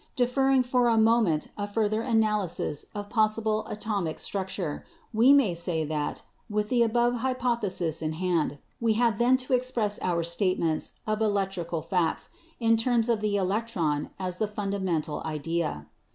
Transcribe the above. Deferring for a moment a further analysis of possible atomic structure, we may say that, with the above hypothesis in hand, we have then to ex press our statements of electrical facts in terms of the electron as the fundamental idea.